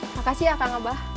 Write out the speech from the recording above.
makasih ya akang abah